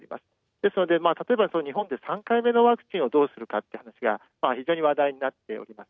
ですので、例えば日本で３回目のワクチンをどうするかという話が非常に話題になっております。